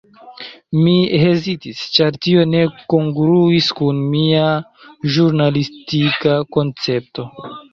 Mi hezitis, ĉar tio ne kongruis kun mia ĵurnalistika koncepto.